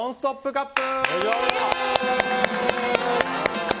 カップ！